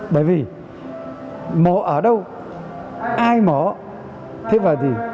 bởi vì mổ ở đâu ai mỏ thế và gì